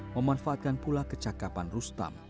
memanfaatkan pula kecakapan rustam